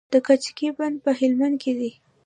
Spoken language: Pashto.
د کجکي بند په هلمند کې دی